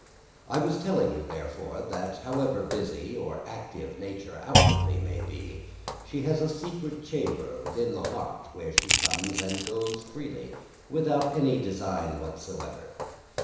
I was telling you, therefore, that however busy our active nature outwardly may be, she has a secret chamber within the heart where she comes and goes freely, without any design whatsoever.